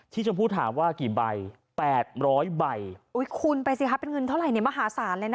ที่ชมผู้ถามว่ากี่ใบ๘๐๐ใบอุ๊ยคูณไปสิคะเป็นเงินเท่าไหร่ในมหาศาลเลยนะ